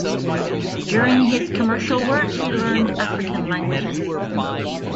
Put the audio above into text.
During his commercial work, he learned African languages.